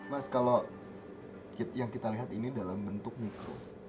mas kalau kita lihat ini dalam bentuk mikro